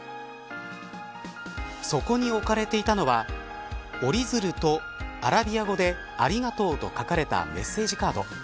そこに置かれていたのは折り鶴とアラビア語で、ありがとうと書かれたメッセージカード。